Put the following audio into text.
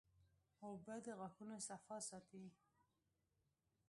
اوبه د غاښونو صفا ساتي